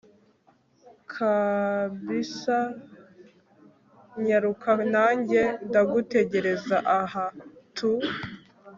kabsa nyaruka nanjye ndagutegereza aha tu